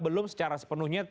belum secara sepenuhnya